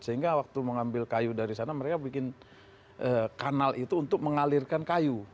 sehingga waktu mengambil kayu dari sana mereka bikin kanal itu untuk mengalirkan kayu